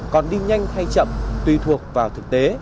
còn đi nhanh hay chậm tùy thuộc vào thực tế